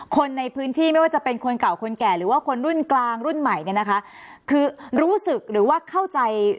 คนในพื้นที่ไม่ว่าจะเป็นคนเก่าคนแก่หรือว่าคนรุ่นกลางรุ่นใหม่เนี่ยนะคะคือรู้สึกหรือว่าเข้าใจ